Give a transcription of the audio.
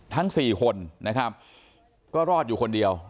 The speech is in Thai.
ทั้ง๔คนนะครับก็รอดอยู่คนเดียว